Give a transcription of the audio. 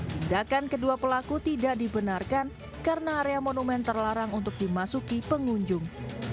tindakan kedua pelaku tidak dibenarkan karena area monumen terlarang untuk dimasuki pengunjung